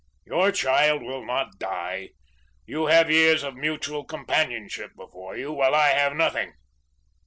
Your child will not die. You have years of mutual companionship before you, while I have nothing.